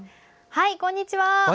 こんにちは。